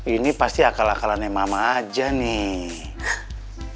ini pasti akal akalannya mama aja nih